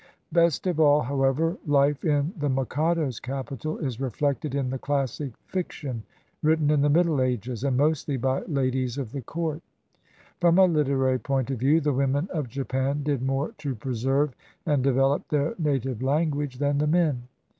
Best of all, however, life in the mikado's capital is re flected in the classic fiction written in the Middle Ages, and mostly by ladies of the court. From a literary point of view, the women of Japan did more to preserve and develop their native language than the men.